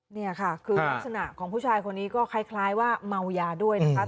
นี่ค่ะคือลักษณะของผู้ชายคนนี้ก็คล้ายว่าเมายาด้วยนะคะ